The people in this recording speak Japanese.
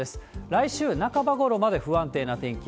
来週半ばごろまで不安定な天気。